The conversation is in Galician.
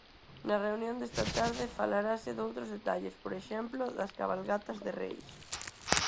Na reunión desta tarde falarase doutros detalles, por exemplo, das cabalgatas de Reis.